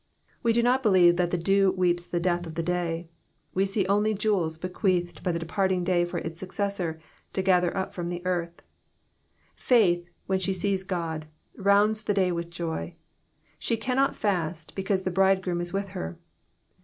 We do not believe that the dew weeps the death of the day ; we only see jewels bequeathed by the departing day for its successor to gather up from the earth. Faith, when she sees God, rounds the day with joy. She cannot fast, because the bridegroom is with her.